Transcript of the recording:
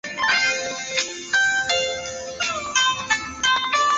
新西兰出口商如乳品公司恒天然和新西兰海产业议会等对协定表示欢迎。